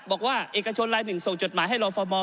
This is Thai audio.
บอกว่าเอกชนลาย๑ส่งจดหมายให้รอฟอมมอล